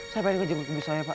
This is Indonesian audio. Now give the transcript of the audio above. saya pengen kejemput ibu saya pak